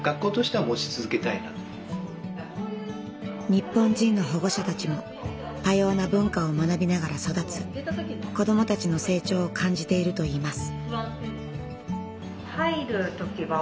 日本人の保護者たちも多様な文化を学びながら育つ子どもたちの成長を感じているといいます。